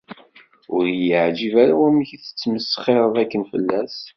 Ur yi-yeεǧib ara wamek tesmesxireḍ akken fell-as.